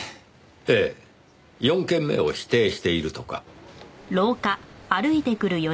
ええ４件目を否定しているとか。